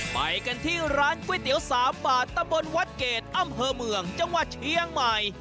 ไปกันที่ร้านก๋วยเตี๋ยว๓บาทตะบนวัดเกรดอำเภอเมืองจังหวัดเชียงใหม่